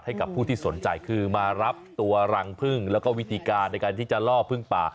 ให้กับผู้ที่สนใจคือมารับตัวรังพึ่งแล้วก็วิธีการในการที่จะล่อพึ่งป่า